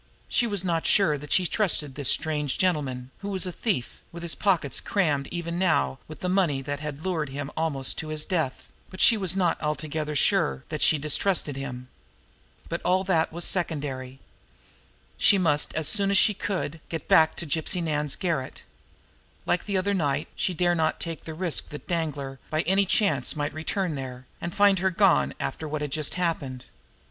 She was not sure that she trusted this strange "gentleman," who was a thief with his pockets crammed even now with the money that had lured him almost to his death; but, too, she was not altogether sure that she distrusted him. But all that was secondary. She must, as soon as she could, get back to Gypsy Nan's garret. Like that other night, she dared not take the risk that Danglar, by any chance, might return there and find her gone after what had just happened.